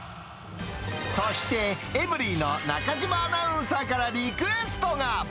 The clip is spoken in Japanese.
そして、エブリィの中島アナウンサーからリクエストが。